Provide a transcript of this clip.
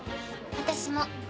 私も。